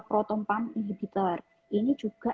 proton pump inhibitor ini juga